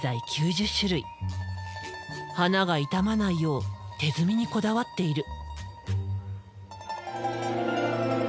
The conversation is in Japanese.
花が傷まないよう手摘みにこだわっている。